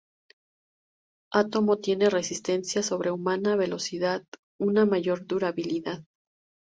Átomo tiene resistencia sobrehumana, velocidad, una mayor durabilidad.